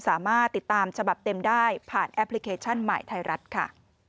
สามารถติดตามฉบับเต็มได้ผ่านแอปพลิเคชันใหม่ไทยรัฐค่ะ